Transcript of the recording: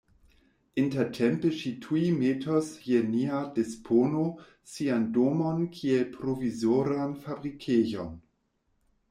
Intertempe ŝi tuj metos je nia dispono sian domon kiel provizoran fabrikejon.